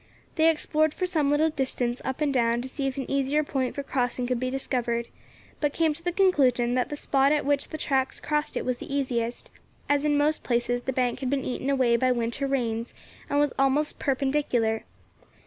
They explored for some little distance up and down to see if an easier point for crossing could be discovered, but came to the conclusion that the spot at which the tracks crossed it was the easiest, as in most places the bank had been eaten away by winter rains and was almost perpendicular.